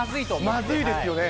まずいですよね。